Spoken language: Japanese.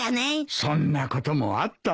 そんなこともあったなあ。